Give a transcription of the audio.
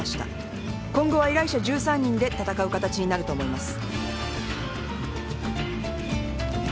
今後は依頼者１３人で闘う形になると思います。